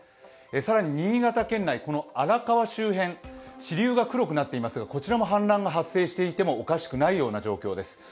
更に新潟県内、この荒川周辺支流が黒くなっていますけれども、こちらも氾濫が発生していてもおかしくない状況です。